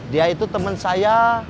dia itu temen saya